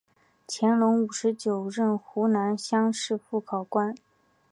乾隆五十九年任湖南乡试副考官。